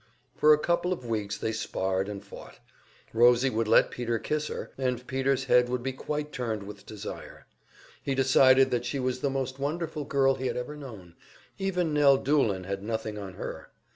For a couple of weeks they sparred and fought. Rosie would let Peter kiss her, and Peter's head would be quite turned with desire. He decided that she was the most wonderful girl he had ever known; even Nell Doolin had nothing on her.